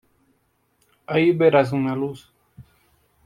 Ahí verás una luz.